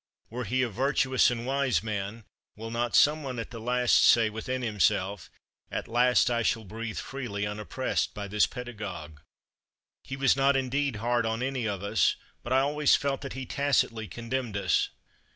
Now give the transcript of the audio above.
Were he a virtuous and wise man; will not some one at the last say within himself: "At last I shall breathe freely, unoppressed by this pedagogue. He was not indeed hard on any of us; but I always felt that he tacitly condemned us"?